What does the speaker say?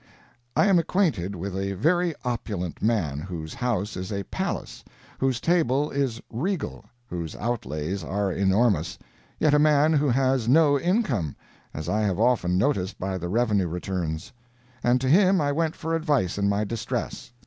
] I am acquainted with a very opulent man, whose house is a palace, whose table is regal, whose outlays are enormous, yet a man who has no income, as I have often noticed by the revenue returns; and to him I went for advice in my distress.